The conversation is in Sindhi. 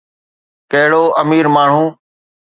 ڪهڙو امير ماڻهو.